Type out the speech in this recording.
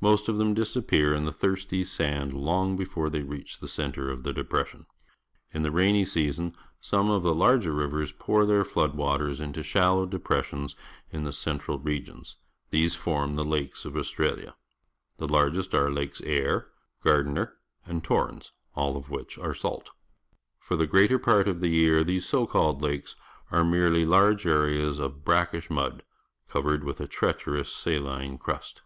Most of them disappear in the thirsty sand long before they reach the centre of the depression. In the rainy season some of the larger rivers pour their flood waters into shallow depressions in the central regions. These form the lakes of Australia. The largest are Lakes Eyre, Gairdner, and Torrens, all of which are salt. For the greater part of the year these so called lakes are merely large areas of brackish mud, covered with a treacherous saline crust.